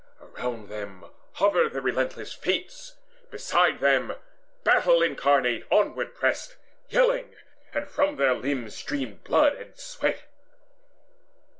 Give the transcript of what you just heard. Around them hovered the relentless Fates; Beside them Battle incarnate onward pressed Yelling, and from their limbs streamed blood and sweat.